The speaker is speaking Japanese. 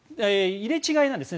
入れ違いなんですね。